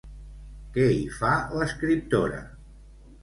Què hi fa l'escriptora?